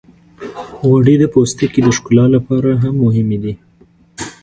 غوړې د پوستکي د ښکلا لپاره هم مهمې دي.